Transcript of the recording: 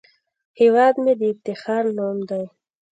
هیواد مې د افتخار نوم دی